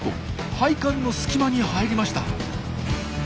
配管の隙間に入りました。